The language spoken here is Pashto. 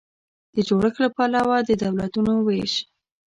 د جوړښت له پلوه د دولتونو وېش